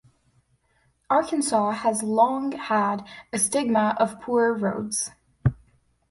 Arkansas has long had a stigma of poor roads.